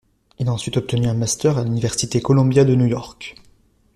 Il a ensuite obtenu un master à l'Université Columbia de New York.